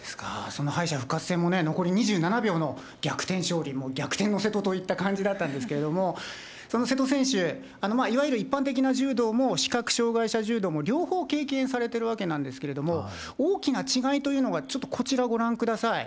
その敗者復活戦も残り２７秒の逆転勝利、逆転の瀬戸といった感じだったんですけれども、その瀬戸選手、いわゆる一般的な柔道も視覚障害者柔道も両方経験されてるわけなんですけれども、大きな違いというのがちょっとこちらをご覧ください。